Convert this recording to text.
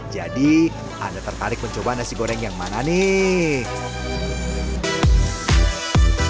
jadi anda tertarik mencoba nasi goreng yang mana nih